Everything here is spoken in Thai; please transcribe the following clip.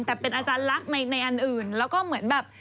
แต่เป็นอาจารย์ลักษณ์ในอันอื่นแล้วก็เหมือนแบบ